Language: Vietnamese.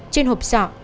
trên hộp sọ